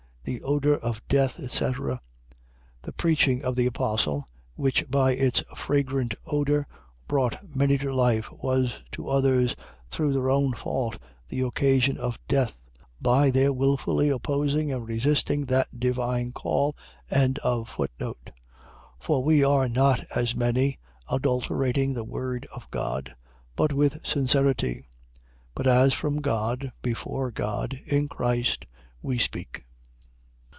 The odour of death, etc. . .The preaching of the apostle, which by its fragrant odour, brought many to life, was to others, through their own fault, the occasion of death; by their wilfully opposing and resisting that divine call. 2:17. For we are not as many, adulterating the word of God: but with sincerity: but as from God, before God, in Christ we speak.